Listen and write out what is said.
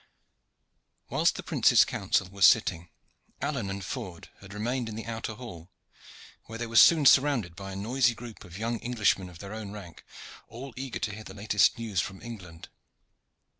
Whilst the prince's council was sitting, Alleyne and Ford had remained in the outer hall, where they were soon surrounded by a noisy group of young Englishmen of their own rank, all eager to hear the latest news from England.